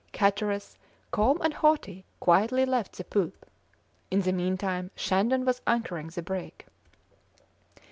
Hatteras, calm and haughty, quietly left the poop. In the meantime Shandon was anchoring the brig.